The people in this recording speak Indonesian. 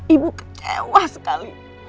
ibu kecewa sekali